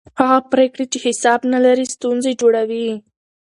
هغه پرېکړې چې حساب نه لري ستونزې جوړوي